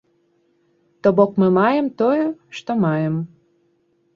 То бок, мы маем тое, што маем.